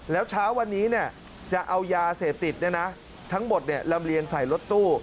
แล้วเช้าวันนี้จะเอายาเสพติดทั้งหมดลำเลียงใส่รถตู้